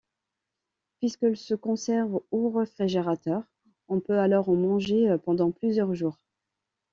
Puisqu'elle se conserve au réfrigérateur, on peut alors en manger pendant plusieurs jours.